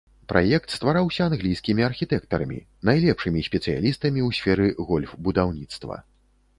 Праект ствараўся англійскімі архітэктарамі, найлепшымі спецыялістамі ў сферы гольф-будаўніцтва.